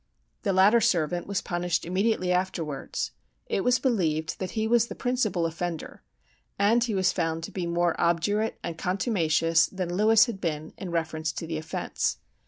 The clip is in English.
"The latter servant was punished immediately afterwards. It was believed that he was the principal offender, and he was found to be more obdurate and contumacious than Lewis had been in reference to the offence.